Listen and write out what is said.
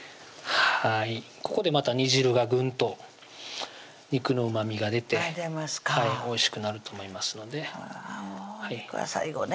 ここでまた煮汁がぐんと肉のうまみが出て出ますかおいしくなると思いますのでお肉は最後ね